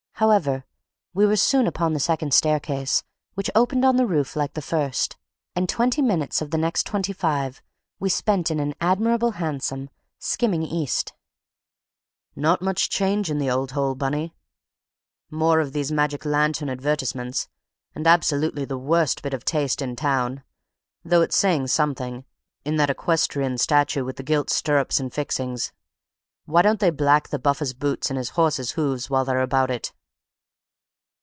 However, we were soon upon the second staircase, which opened on the roof like the first. And twenty minutes of the next twenty five we spent in an admirable hansom, skimming east. "Not much change in the old hole, Bunny. More of these magic lantern advertisements ... and absolutely the worst bit of taste in town, though it's saying something, in that equestrian statue with the gilt stirrups and fixings; why don't they black the buffer's boots and his horse's hoofs while they are about it?